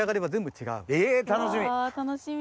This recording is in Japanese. え楽しみ。